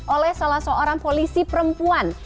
oleh salah seorang polisi perempuan